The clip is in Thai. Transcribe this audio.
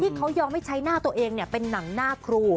ที่เค้ายอมไม่ใช้หน้าตัวเองเนี่ยเป็นนางนาครู